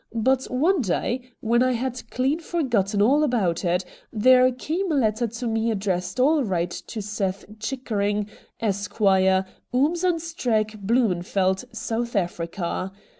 But one day, when I had clean forgotten all about it, there came a letter to me addressed all right to Seth Chickering, Esquire, Oomjanstrek, Blumenveldt, South Africa.